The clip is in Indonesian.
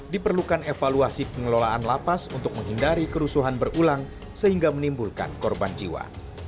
diperlukan evaluasi pengelolaan lapas untuk menghindari kerusuhan berulang sehingga menimbulkan korban jiwa